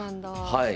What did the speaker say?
はい。